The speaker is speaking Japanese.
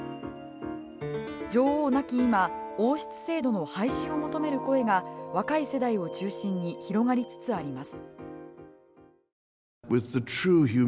女王亡き今王室制度の廃止を求める声が若い世代を中心に広がりつつあります。